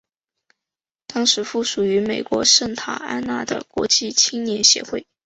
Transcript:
当时附属于美国圣塔安娜的国际青年协会。